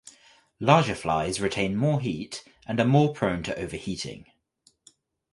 Larger flies retain more heat and are more prone to overheating.